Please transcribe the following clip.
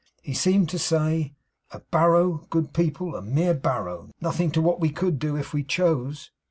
He seemed to say, 'A barrow, good people, a mere barrow; nothing to what we could do, if we chose!